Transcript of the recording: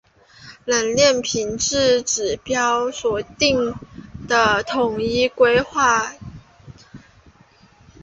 冷链品质指标所订定的统一规范准则。